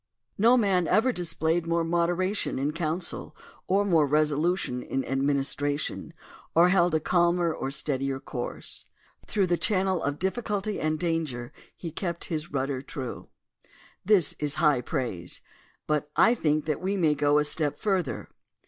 No man ever displayed more moderation in counsel, or more resolution in administration, or held a calmer or steadier course. Through the channel of difficulty and danger, he kept his rudder true." ^ This is high praise, but I think that we may go a step further.